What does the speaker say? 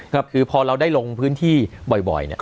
คือพอเราได้ลงพื้นที่บ่อย